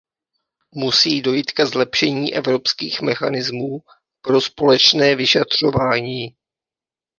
Musí dojít ke zlepšení evropských mechanismů pro společné vyšetřování.